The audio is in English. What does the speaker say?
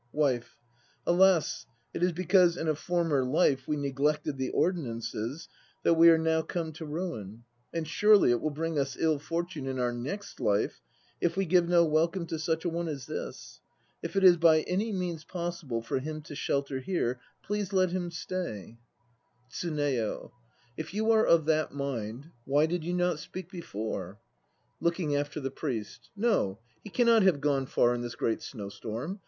WIFE. Alas, it is because in a former life we neglected the ordinances a that we are now come to ruin. And surely it will bring us ill fortune in our next life, if we give no welcome to such a one as this! If it is by any means possible for him to shelter here, please let him stay. 1 Buddhist ordinances, such as hospitality to priests. HACHI NO KI 103 TSUNEYO. If you are of that mind, why did you not speak before? (Looking after the PRIEST.) No, he cannot have gone far in this great snow storm.